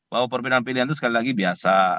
bahwa perbedaan pilihan itu sekali lagi biasa